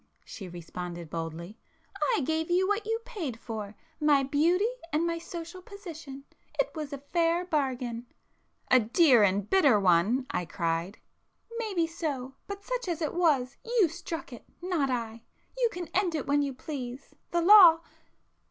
she responded boldly—"I gave you what you paid for,—my beauty and my social position. It was a fair bargain!" "A dear and bitter one!" I cried. "Maybe so. But such as it was, you struck it,—not I. You can end it when you please,—the law